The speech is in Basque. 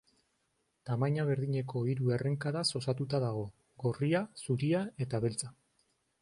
Tamaina berdineko hiru errenkadaz osatua dago: gorria, zuria eta beltza.